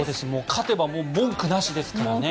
勝てば文句なしですからね。